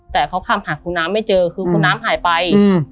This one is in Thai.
แต่เขาคำหาคุณน้ำไม่เจอคือคุณน้ำหายไป